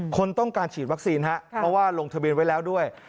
คนต้องการฉีดวัคซีนครับเพราะว่าลงทะเบียนไว้แล้วด้วย